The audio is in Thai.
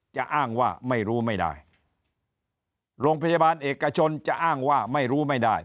จะอ้างว่าไม่รู้ไม่ได้โรงพยาบาลเอกชนจะอ้างว่าไม่รู้ไม่ได้